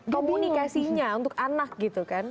komunikasinya untuk anak gitu kan